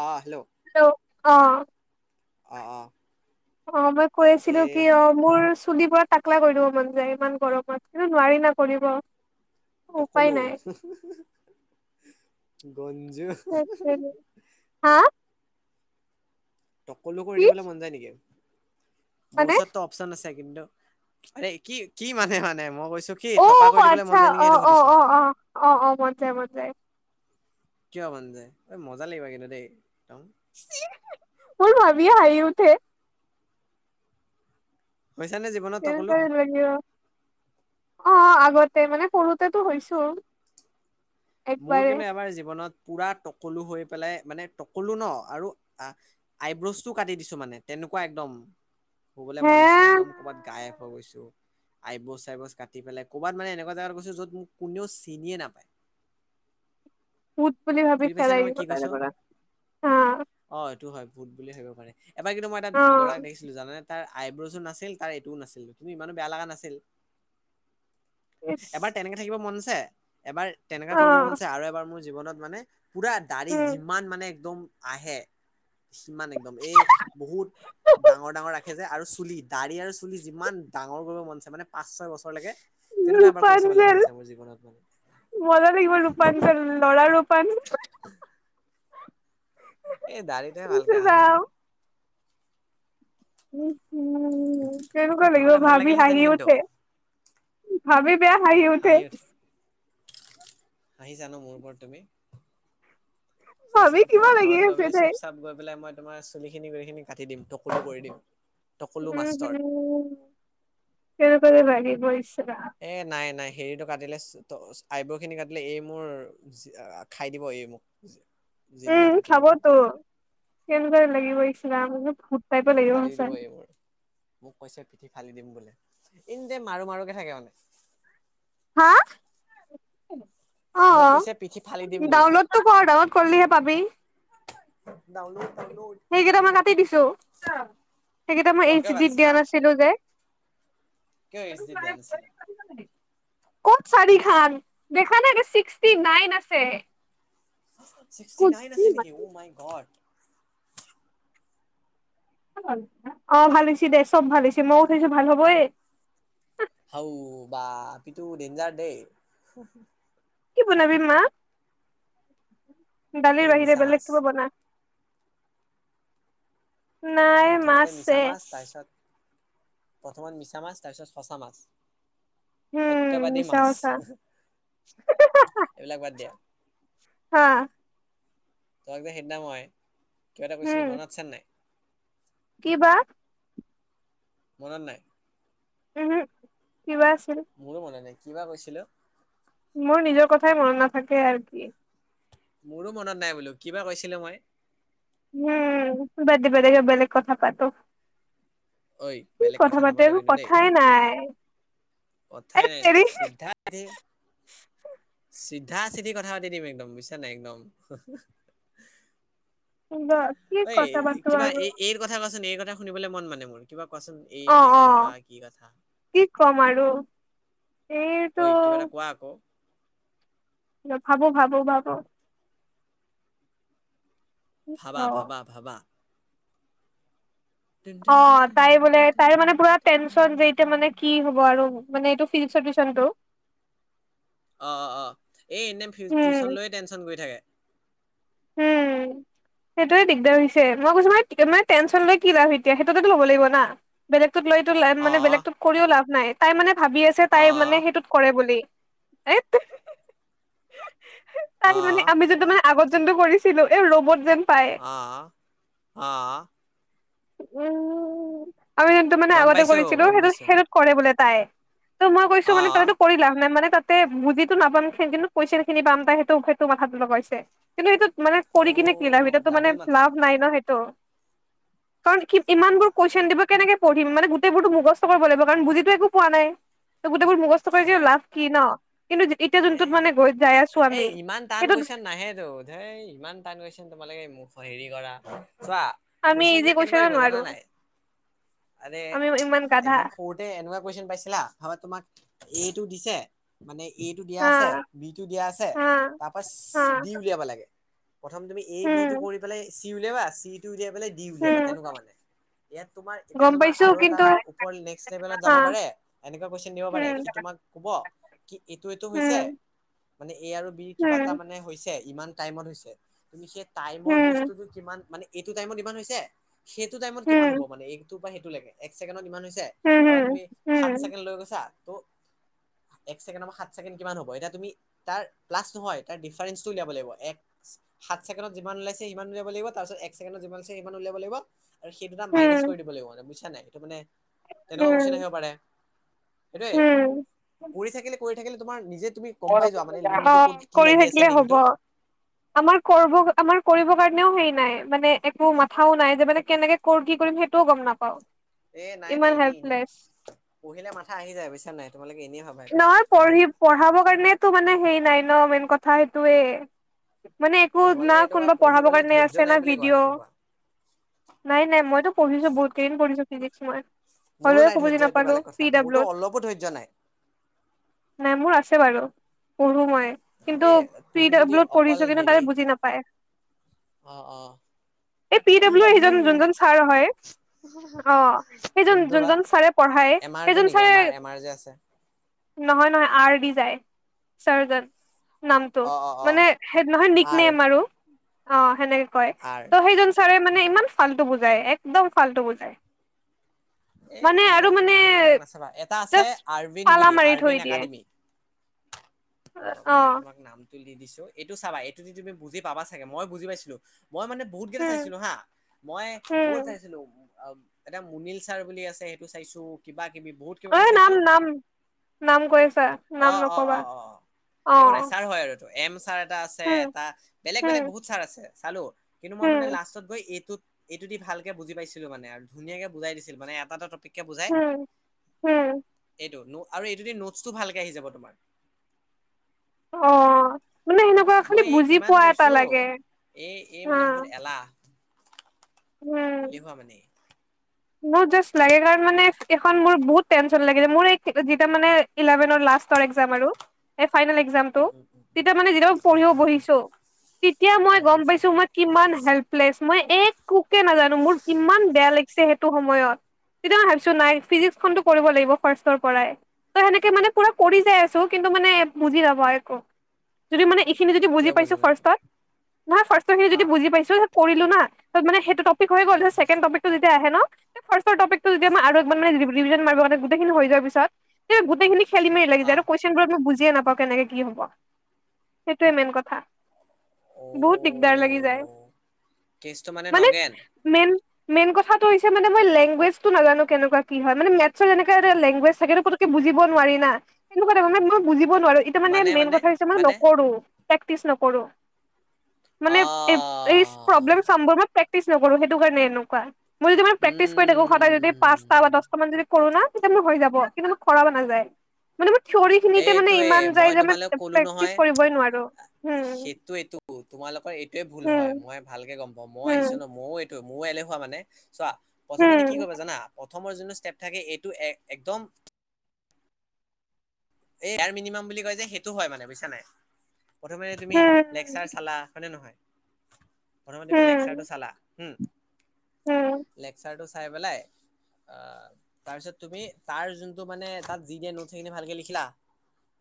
অ' hello? অ'। অ', অ'। অ', মই কৈ এ আছিলো কি অ' মোৰ চুলি পৰা তাকলা কৰি দিব মন যায় ইমান গৰমত কিন্তু নোৱাৰি ন' কৰিব। উপায় টকলো নাই বঞ্জো হা তকলো কি কৰি দিবলৈ মন যায় নেকি? মোৰ মানে ওচৰততো অপচন আছে কিন্তু আ কি কি মানে মানে মই কৈছো কি টপা অ' কৰি দিবলৈ মন আচ্ছা যায় নেকি অ' সেইটো অ' সুধিছো অ' অ' অ' অ' মন যায় মনায়। কিয় মন যায় এই মজা লাগিব কিন্তু দেই একদম মোৰ ভাবি হাঁহি উঠে। হৈছানে জীৱনত টকলো কেনেকা লাগিব? অ', আগতে মানে সৰুতেটো হৈছো। মোৰ একবাৰে কিন্তু এবাৰ জীৱনত পুৰা তকলো হৈ পেলাই মানে তকলো ন' আৰু আইব্ৰজ টো কাটি দিছো মানে তেনে তেনেকুৱা একদম শুবলৈ হে মন আছে একদম ক'বাত গায়ব হৈ গৈছো। আইব্ৰজ চাইব্ৰজ কাটি পেলাই ক'ৰবাত মানে এনেকুৱা জেগাত গৈছো য'ত মোক কোনেও চিনিয়ে নাপায়। উত বুলি ভাবি বুজি পাইছা নে খেদাই মই দিব কি কৈছো? তাৰপৰা হা অ এইটো হয় ভূত বুলি ভাবিব পাৰে এবাৰ কিন্তু মই এটা ল'ৰাক দেখিছিলো জানে! তাৰ আইব্ৰজো নাছিল তাৰ এইটোও নাছিল তুমি ইমানো বেয়া লগা নাছিল। ইচ এবাৰ তেনেকাে থাকিব মন আছে এবাৰ তেনেকা অ কৰিব মনছে আৰু এবাৰ মোৰ জীৱনত মানে পুৰা দা়ৰি উম যিমান মানে একদম আহে সিমান একদম এই বহুত ডাঙৰ ডাঙৰ ৰাখে যোয় আৰু চুলিত দাড়ি আৰু চুলি যিমান ডাঙৰ কৰিব মনছে মানে পা পাঁচ ছয় বছৰলৈকে তেনেকুৱা এবাৰ কৰি চাবলে ৰূপাঞ্জল মনছে মোৰ জীৱনত মানে মজা লাগিব ৰূপণ যে ল'ৰাাৰ ৰূপান এই দাড়িতেহে ভালকে অহা নাই। উ' তেনেকুৱা লাগিব নহ'লে ভাল ভাবি লাগিলহেঁতেন হাঁহি কিন্তু উঠে ভাবি বেয়া আহ উঠে। আহিছা ন মোৰ ওপৰত তুমি? ভাবি চোৱাচোন কিবা তোমাৰ লাগি ঘৰত গৈ আছে পেলাই তাই চুপ চাপ গৈ পেলাই মই তোমাৰ চুলিখিনি গেইখিনি কাটি দিম টকলো কৰি দিম। টকুলো মাষ্টৰ। কেনেৱে ভাগি বৈছ এ নাই নাই হেৰিটো কাটিলে আইব্ৰ খিনি কাটিলে এই মোৰ খাই দিব এই মোক জিন্দা উম কাটি দিব মোক চাবতো কেনেদৰে লাগিব ইছ ৰাম। সুত তাই পৰিব পিঠি লাগিব ফালি দিব আছোৰ [unintelligible] এই মোৰ। মোক কৈছে পিঠি ফালি দিম বোলে এনিটাইম মাৰো মাৰোকে থাকে মানে হা। অ', মোক কৈছে পিঠি ফালি দিম অ', বোলে। ডাউনলোডটো কৰ ডাউনলোড কৰিলিহে পাবি। ডাউনলোড ডাউনলোড সেইকেইটা মই কাটি দিছো সেইকেইটা মই কিয় এইচ কিয় ড কাটিছা দিয়া হা নাছিলো যে কিয় এইচ ড দিয়া নাছিল? ক'ত চাৰি খান দেখা নাগে ছিক্সটি নাইন আছে। ছিক্সটি নাইন আছে নেকি মাই গড। অ' ভালিছি দে চব ভালছ মইোঠৈছো ভাল হ'ব এ হও বা কিন্তু দেঞজাৰ দেই। কি বনাবি মা দালিৰ আজি বাহিৰে মিছা বেলেগ মাছ। কিবা বনা। নাই প্ৰথমতে মিছা মাছে [inaudible] মাছ তাৰপিছত প্ৰথমত মিছা মাছ তাৰপিছত সঁচা মাছ। উম সত্যবাদী মিছা মাছ সঁচা এইবিলাক বাদ দিয়া হা। তহক যে সেইদিনা মই কিবা এটা কৈছিলো মনত আছে নাই। কি বা? মনত নাই। উম হম। মোৰো মনে নাই কিবা কৈছিলো? মোৰ নিজৰ কথাই মনত নাথাকে আৰু কি। মোৰো মনত নাই বোলো কিবা কৈছিলো মই। উম বাদদে বদ গ বেলেগ কথা পাতো। ঐ কি বেলেগ কথা পাতে নাপাতো এইবোৰ কিন্তু দেই কথাই নাই। এ কথাই নাই তেৰি নেকি চিদ্ধা পিঠা চিঠি কথা পাতি দিম একদম বুজছা নাই একদম [unintelligible] কি অই, কথা পাতো কিবা আৰু এই এইৰ কথা কচোন এইৰ কথা শুনিবলে মন মানে মোৰ কিবা কোৱাচোন এই অ মানে অ কেনেকুৱা কি কথা? কি ক'ম আৰু এইটো ঐ কিবা এটা কোৱা আকৌ। ভাবো ভাবো ভাবো। অ ভাবা ভবা ভাবা। অ', তাই বোলে তাই মানে পুৰা টেনচন যে এতিয়া মানে কি হ'ব আৰু। মানে এইটো ফিজিক্সৰ টিউচনটো অ', অ', অ', এই এনি টাইম টিউশচন উম লৈয়ে টেনশ্যন কৰি থাকে। [inaudible] সেইটোোৱে দিগদাৰ হৈছে মই কৈছো ম মানে টেনশন লৈ কি লা এতিয়া সেইটোতেো ল'ব লাগিব না বেলেগ [inaudible] লৈ লা অ মানে বেলেগত কৰিও লাভ নাই তাই মানে ভাবি আছে তাই অ মানে সেইটোত কৰে বুলি এ অ তাই মানে আমি যটো মানে আগত [unintelligible] কৰিছিলো এই ৰ'বত যেন। পায় আহ আহ উম আমি যোনটো মানে গম আগতে পাইছো কৰিছিলো গম সেইটো পাইছো সেইটোত কৰে বোলে তাই। ত' মই কৈছো অ মান তইতো কৰিলাভ নে মানে তাতে বুজিটো নাপাম কিন্তু কোৱেচনচ খিনি পাম তাই সেইটো সেইটো কথাটো লগাইছে কিন্তু সেইটো মানে কৰি অ কিনে কি লাভ সেইটো মানে ডাবুল মাথা লাভ নাই ন সেইটো। কাৰণ ইমান বোৰ বাহ, কুৱেশচন দিব কেনেকে পঢ়িম মানে গোটেইবোৰতো মূখস্থ কৰিব লাগিব কাৰণ বুজি একো পোৱা নাই। এইবোৰ মূখস্থ হে কৰি লাভ কি ন'। কিন্তু এতিয়া যোনটোত এই মানে গৈ যাই আছো আমি সেইটোত হ ইমান টান গৈছে ন তোমালোকে মখ হেৰি কৰা চোৱা আমি কোৱেচন ইজি বিলাক কেনেকুৱা কুৱেশনো দিব জানা নোৱাৰো নাই? আৰে আমি ইমান গাধা একদম সৰুতে এনেকুৱা কুৱেশচন পাইছিলা ভাবা তোমাক এই টো দিছে মানে এটো দিয়া হা আছে বি টো দিয়া আছে হা তাৰপা হা দি উলিয়াব লাগে প্ৰথম তুমি এ বি উম, টো কৰি পেলাই চি উলিয়াবা চি টো উলিয়াই পেলাই দি উলিয়াবা উম। তেনেকুৱা মানে। ইয়াত তোমাৰ গম এতিয়াৰ পাইছো আৰু এটা কিন্তু উপৰত নেক্সট লেভেল হা যাব পাৰে এনেকুৱা কেশনব পাৰে উম সি তোমাৰ ক'ব [unintelligible] এইটো এইটো হৈছে উম মানে এ আৰু বিৰ কিবা এটা মানে হৈছে [unintelligible] ইমান টাইমত হৈছে তুমি সেই টাইমৰ উম বস্তুটো কিমান মানে এইটো টাইমত ইমান হৈছে সেইটো টাইমত কিমান উম হ'ব মানে এইটো বা সেইটো লকে এক ছেকেণ্ডত কিমান উম ত তুমি উম সাত ছেকেণ্ড লৈ গৈছা ত এক ছেকে সাত ছেকেণ্ড কিমান হ'ব এতিয়া তুমি তাৰ প্লাছ নহয় তাৰ ডিফাৰেন্সটো উলিয়াব লাগিব এক সাত ছেকেণ্ডত যিমান ওলাইছে সিমান উলিয়াব লাগিব তাৰ পাছত [inaudible] আৰু সেই দুটা উম মাইনাচ উম কৰি দিব লাগিব মানে বুজিছা নাই মানে এনেকুৱা উম কুৱেচন আহিব পাৰে সেইটোৱে উম কৰি থাকিলে কৰি থাকিলে তোমাৰ নিজে তুমি গম পাই যোৱা মানে অ লিংকটো ক'ত কি কৰি লাগি আছে থাকিলে হ'ব লিংকটো আমাৰ কৰিবৰ কাৰণেও হেৰি নাই মানে একো মাথাও নাই যে মানে কেনেকে কৰো কি কৰিম সেইটোও গম নাপাও এ নাই নাই ইমান এনেই এনেই হেল্পলেছ পঢ়িলে মাথা আহি যায় বুজিছা নাই তোমালোকে এনেই ভাবা [inaudible] টো মানে সেই নাই ন মেইন কথা সেইটোয়ে মানে একো না তোমালোকে এইটো কোৱা কোনোবা পঢ়াব পঢ়িবলৈ কাৰণে ধৈৰ্য আছে না নাই বুলি কোৱা ভিডিঅ' এইটো কোৱা নাই নাই মইতো পঢ়িছো বহুত কেইদিন পঢ়িছো ফিজিক্স মই হ'লেও মোৰো নাই একো বুজি ধৈৰ্য এইটো নাপালো বেলেগ পি কথা মোৰতো ডাব্লিউত অলপো ধৈৰ্য নাই নাই মোৰ আছে বাৰু পঢ়ো মই কিন্তু এ পি তুমি যদি দব্লিও অকল পঢ়িছো কিন্তু হেৰি তাৰে বুজি নাপায় অ অ এই পি ডাব্লিউৰ সেইজন যোনজন ছাৰ হয় অ সেইজন যোনজন ছাৰে পঢ়াই এমাৰটো নেকি আমাৰ এমাৰ এমাৰ যে আছে নহয় নহয় আৰ ডি চাৰজন নামটো অ অ অ মানে সেই নহয় আৰ নিকনেম আৰু অ সেনেকে কয় আৰ ত সেইজন ছাৰে মানে ইমান ফাল্টো বুজাই এক্দম ফাল্টু বুজাই [inaudible] মানে আৰু এইবিলাক মানে হেৰিবিলাক নাচাবা এটা আছে জাষ্ট আৰবিন্দ পালা বুলি মাৰি থৈ আৰবিন্দ দিয়ে একাডেমি ৰবা অ মই তোমাক নামটো দি দিছো এইটো চাবা এইটো দি তুমি বুজি পাবা চাগে মই বুজি পাইছিলো মই মানে বহুত কেইটা উম চাইছিলো হা মই উম বহুত চাইছিলো অ এটা মুনিল ছাৰ বুলি আছে সেইটো চাইছো কিবা কিবি বহুত কিবা অ কিবি নাম চাইছো নাম নাম কৈ আছা অ নাম অ অ নকবা অ অ একো নাই ছাৰ হয় আৰু এম ছাৰ এটা আছে হুম এটা বেলেগ হুম বেলেগ বহুত ছাৰ আছে চালো কিন্তু মই হুম মানে লাষ্টত গৈ এইটোত এইটো দি ভালকে বুজি পাইছিলো মানে আৰু ধুনীয়াকে বুজাই দিছিল মানে এটা এটা টপিক কে বুজাই হুম হুম এইটো [unintelligible] আৰু এইটোদি নোটছটো ভালকে আহি যাব তোমাৰ অ মানে সেনেকুৱা খালি মই এই বুজি কিমান পোৱা এটা কৈছো লাগে এই এই হা মানে বহুত এলাহ উম এলেহুৱা মানে এই মোৰ জাষ্ট লাগে কাৰণ মানে এইখন মোৰ বহুত টেনচন লগে যে মোৰ এই যেতিয়া মানে ইলেভেনৰ লাষ্ট লাষ্টৰ এক্সাম আৰু এই ফাইনেল এক্সামটো তেতিয়া মানে যেতিয়া মই পঢ়িব বহিছোঁ তেতিয়া মই উম গম উম পাইছো মই কিমান হেল্পলেছ মই একোকে নাজানো মোৰ ইমান বেয়া লাগিছে সময়ত সেইটো তেতিয়া মই ভাবিছো নাই ফিজিক্স খনটো কৰিব লাগিব ফাৰ্ষ্টৰ পৰাই ত সেনেকে মানে পুৰা কৰি যাই আছো কিন্তু মানে বুজি নাপাওঁ একো যদি মানে এইখিনি যদি বুজি কিয় পাইছো ফাৰ্ষ্টত নাপাওঁ নহয় ফাৰ্ষ্টৰ খিনি আ যদি বুজি পাইছোঁ তাৰ পিছত কৰিলোঁ না ত মানে সেইটো টপিক হৈ গ'ল তাৰপিছত ছেকেণ্ড টপিক টো যেতিয়া আহে ন ফাৰ্ষ্টৰ টপিকটো যেতিয়া মই আৰু একবাৰ মানে ৰেভিচন মাৰিবৰ কাৰণে গোটেইখিনি হৈ যোৱাৰ পিছত গোটেইখিনি খেলি মেলি লাগি যায় আ আৰু কুৱেশচনবোৰত মই বুজিয়ে নাপাওঁ কেনেকে কি হ'ব সেইটোৱে মেইন কথা অ বহুত দিগদাৰ লাগি যায় কেচটো মানে নগেন মেইন মেইন কথাটো হৈছে মানে মই লেংগুৱেজটো নাজানো কেনেকুৱা কি হয় মানে মেটছৰ যেনেকে এটা লেংগুৱেজ থাকে সেইটো পতকে বুজিব নোৱাৰি না তেনেকুৱা মই বুজিব নোৱাৰো এতিয়া মানে মেইন কথা হৈছে মই নকৰো প্ৰেক্টিচ নকৰো মানে এই আহ প্ৰব্লেম চমবোৰ মই প্ৰেক্টিচ নকৰোঁ সেইটো কাৰণে এনেকুৱা মই যদি মানে প্ৰেক্টিচ কৰি থাকো সদায় যদি উম পাঁচটা বা দহটা মান যদি কৰো না তেতিয়া মোৰ হৈ যাব কিন্তু মোৰ কৰা হোৱা নাযায় মানে মোৰ থিয়ৰি খিনিতে মানে এইটোৱে ইমান যায় যে তোমালোক মই কলো নহয় প্ৰেক্টিচ কৰিবই নোৱাৰো হোঁ সেইটো এইটো তোমালোকৰ এইটোৱেই ভুল হয় মই ভালকে গম পা অ মই আহিছো ন উম, ময়ো এইটোৱ ময়ো এলেহোৱা মানে চোৱা প্ৰথমতে কি উম, কৰিব জানা প্ৰথমৰ যোনটো ষ্টেপ থাকে এইটো এক একদম এই [unintelligible] মিনিমাম বুলি কয় যে সেইটো হয় মানে বুজছা নাই। প্ৰথমে তুমি উম, লেকচাৰ চালা হয়নে নহয়? প্ৰথমে তুমি লেকচাৰটো চালা হম উম, উম, লেকচাৰটো চাই পেলাই অ তাৰ পিছত তুমি তাৰ যোনটো মানে তাত যি দিয়া নোট সেইখিনি ভালকে লিখিলা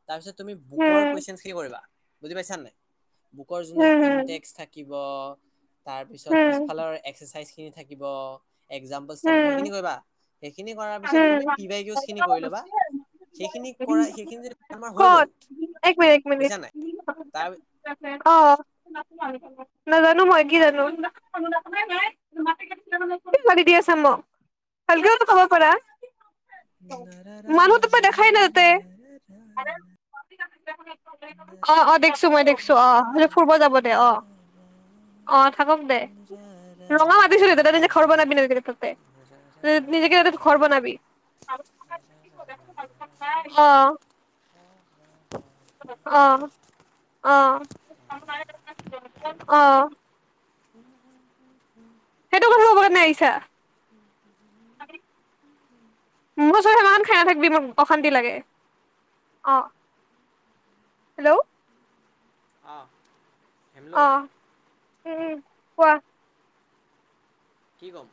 তাৰপিছত তুমি উম, বুকৰ কুৱেশচনছখিনি কৰিবা বুজি পাইছানাই বুকৰ যোনটো ইণ্ডেক্স থাকিব তাৰ পিছত উম, উম, পিছফালৰ এক্সাৰচাইজ খিনি থাকিব একজামপলচ থাকিব সেইখিন উম, কৰিবা সেইখিন কৰাৰ পিছ তুমি উম, পি ৱাই কিউ খিনি কৰি ল'বা সেইখিনি কৰাই সেইখিনি যদি বেমাৰ হৈ গল ক'ত? এক মিনিট, এক মিনিট বুজছা নাই? অ নাজানো মই কি জানো? আছা ম ভালকৈওত কব পাৰা। মানুহতো মই দেখাই নাই তাতে। [unintelligible] অ অ দেখছো মই অঁ দেখছো অ ম ফুৰিব যাব দে অ। অ থাকক দে ৰঙা মাতিছিলোদে নিজে ঘৰ বনাবি [unintelligible] নিজেকে ত ঘৰ বনাবি। অ অহ অহ। [unintelligible] সেইটো কথা ক'ব কাৰণে আহিছা [inaudible] মোৰচৰত সেমান খাই নাথাকিবি মোক অশান্তি লাগে অ। হেল্ল' অহ হেল্ল। অ', উম হম কোৱা। কি কম?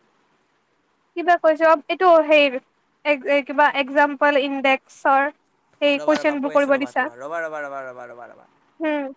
কিবা কৈছো এইটো হেই কিবা একজাম্পল ইণ্ডেক্সৰ সেই ৰ'বা ৰ'বা কুৱেশচন বোৰ কৈ আছোঁ কৰিব ৰ'বা দিছা ৰ'বা ৰ'বা ৰ'বা ৰ'বা ৰ'বা ৰ'বা ৰ'বা হম।